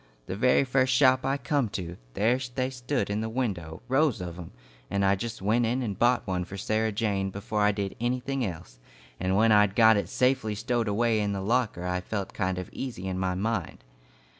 The very first shop I come to, there they stood in the window, rows of 'em, and I just went in and bought one for Sarah Jane before I did anything else, and when I'd got it safely stowed away in the locker, I felt kind of easy in my mind.